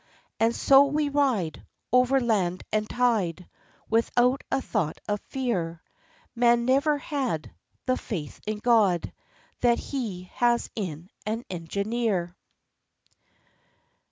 And so we ride Over land and tide, Without a thought of fear _Man never had The faith in God That he has in an engineer!